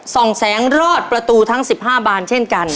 ส่องแสงรอดประตูทั้ง๑๕บานเช่นกัน